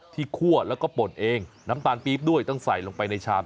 คั่วแล้วก็ป่นเองน้ำตาลปี๊บด้วยต้องใส่ลงไปในชาม